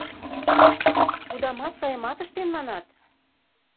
— Удамат, сайымат ыштен, манат?